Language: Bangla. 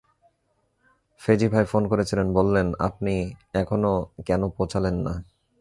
ফেজি ভাই ফোন করেছিলেন, বললেন আপনি এখনো কেনো পৌছালেন না?